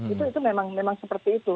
itu memang seperti itu